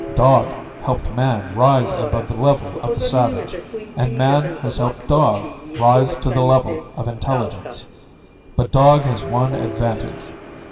Dog helped man rise above the level of the savage, and man has helped dog rise to the level of intelligence. But dog has one advantage.